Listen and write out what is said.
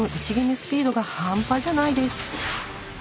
スピードが半端じゃないです。